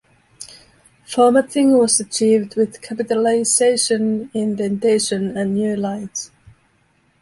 Formatting was achieved with capitalization, indentation, and new lines.